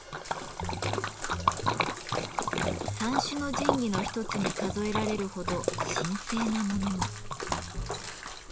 三種の神器の一つに数えられるほど神聖な物も。